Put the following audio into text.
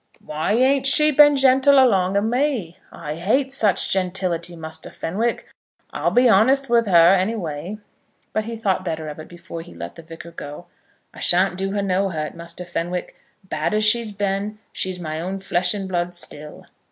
"Why ain't she been gentle along of me? I hates such gentility, Muster Fenwick. I'll be honest with her, any way." But he thought better of it before he let the Vicar go. "I shan't do her no hurt, Muster Fenwick. Bad as she's been, she's my own flesh and blood still."